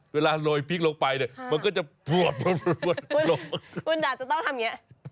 เวลาโรยพริกลงไปเนี่ยมันก็จะคุณด่าจะต้องทำอย่างเงี้ย